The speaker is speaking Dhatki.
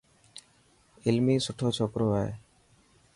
علمي سٺو چوڪرو آهي.